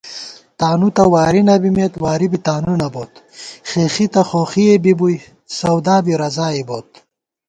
تانُوتہ واری نہ بِمېت واری بی تانُو نہ بوت * خېخی تہ خوخِئےبِبُوئی سودا بی رضائےبوت